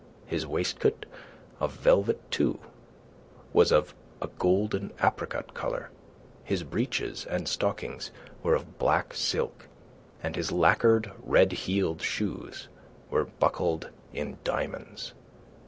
His waistcoat, of velvet too, was of a golden apricot colour; his breeches and stockings were of black silk, and his lacquered, red heeled shoes were buckled in diamonds.